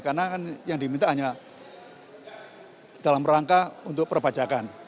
karena kan yang diminta hanya dalam rangka untuk perpacakan